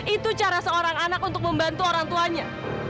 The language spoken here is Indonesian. itu cara seorang anak untuk membantu orang tuanya